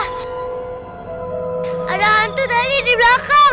hai ada hantu dari di belakang